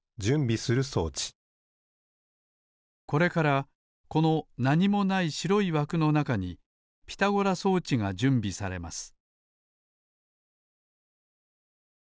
これからこのなにもないしろいわくのなかにピタゴラ装置がじゅんびされます